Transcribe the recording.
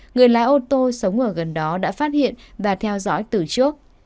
người lái ô tô sống ở gần đó đã phát hiện và theo dõi từ trước